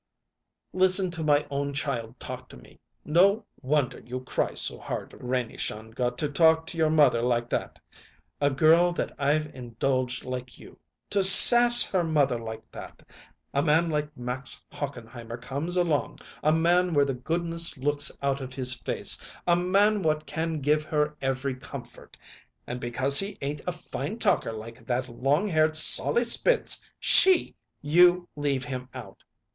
"Listen to my own child talk to me! No wonder you cry so hard, Renie Shongut, to talk to your mother like that a girl that I've indulged like you. To sass her mother like that! A man like Max Hochenheimer comes along, a man where the goodness looks out of his face, a man what can give her every comfort; and, because he ain't a fine talker like that long haired Sollie Spitz, she " "You leave him out!